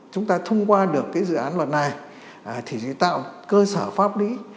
chúng ta thông qua được cái dự án luật này thì sẽ tạo cơ sở pháp lý